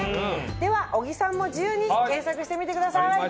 では小木さんも自由に検索してみてください。